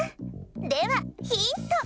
ではヒント！